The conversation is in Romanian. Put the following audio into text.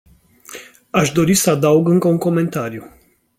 Aș dori să adaug încă un comentariu.